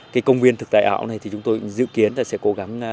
cái công viên thực tại ảo này thì chúng tôi dự kiến là sẽ cố gắng